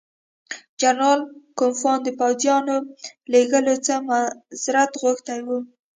جنرال کوفمان د پوځیانو لېږلو څخه معذرت غوښتی وو.